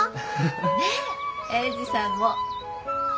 ねっ英治さんも。